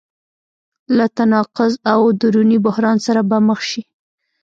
له تناقض او دروني بحران سره به مخ شي.